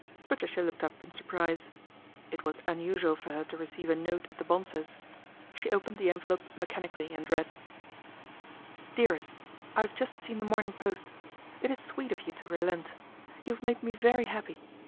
Patricia looked up in surprise. It was unusual for her to receive a note at the Bonsors'. She opened the envelope mechanically and read :" DEAREST, " I have just seen The Morning Post. It is sweet of you to relent. You have made me very happy.